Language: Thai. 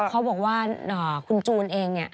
เขาบอกว่าคุณจูนเองเนี่ย